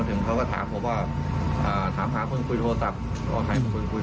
พอเข้ามาถึงตรงนี้